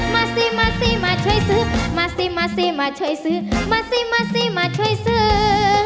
มาสิมาสิมาช่วยซื้อมาสิมาสิมาช่วยซื้อมาสิมาสิมาช่วยซื้อ